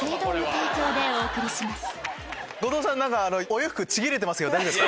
お洋服ちぎれてます。